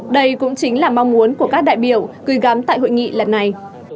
đây cũng chính là mong muốn của các đại biểu gửi gắm tại hội nghị lần này